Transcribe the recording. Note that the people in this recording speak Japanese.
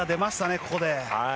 ここで。